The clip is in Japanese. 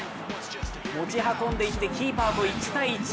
持ち運んでいって、キーパーと１対１。